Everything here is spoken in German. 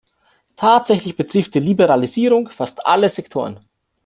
Tatsächlich betrifft die Liberalisierung fast alle Sektoren.